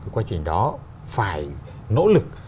qua trình đó phải nỗ lực